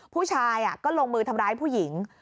ผู้ชายก็ลงมือทำร้ายผู้หญิง